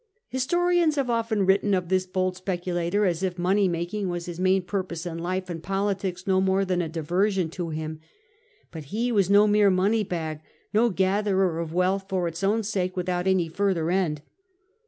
Historians have often written of this bold speculator as if money making was his main purpose in life, and politics no more than a diversion to him. But he was no mere money bag, no gatherer of wealth for its own sake, without any further end.